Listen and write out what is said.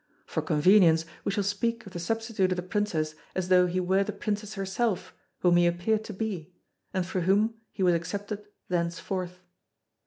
For convenience we shall speak of the substitute of the Princess as though he were the Princess herself whom he appeared to be, and for whom he was accepted thenceforth.